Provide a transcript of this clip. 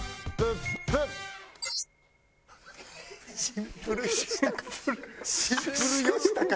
シンプルよしたか。